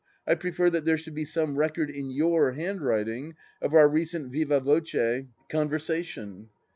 I prefer that there should be some record in your handwriting of our recent viva voce con versation."